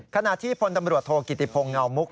ขณะที่พนธรรมรวชโธ่กิติภงเงามุก